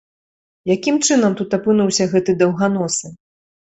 Якім чынам тут апынуўся гэты даўганосы?